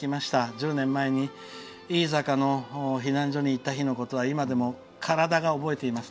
１０年前に飯坂の避難所に行ったことは今でも体が覚えています。